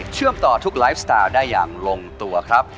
ต่อทุกไลฟ์สไตล์ได้อย่างลงตัวครับ